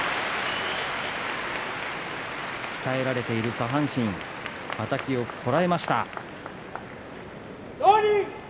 鍛えられている下半身はたきをこらえました。